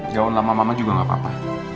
gaun lama mama juga gak apa apa